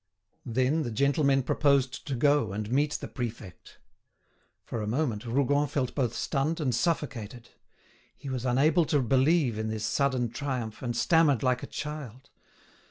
'" Then the gentlemen proposed to go and meet the prefect. For a moment Rougon felt both stunned and suffocated; he was unable to believe in this sudden triumph, and stammered like a child.